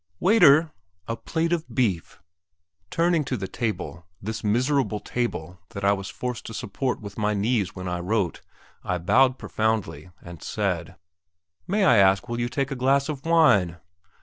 "Waiter, a plate of beef!" Turning to the table this miserable table that I was forced to support with my knees when I wrote I bowed profoundly, and said: "May I ask will you take a glass of wine?